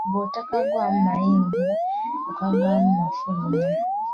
Bw'otokagwamu mayingira okagwamu amafuluma.